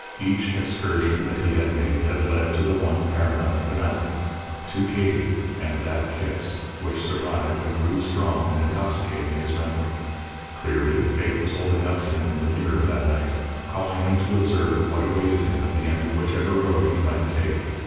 Each excursion that he had made had led to the one paramount finale to Katie and that kiss, which survived and grew strong and intoxicating in his memory. Clearly, Fate was holding up to him the mirror that night, calling him to observe what awaited him at the end of whichever road he might take.